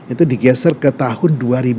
itu digeser ke tahun dua ribu empat puluh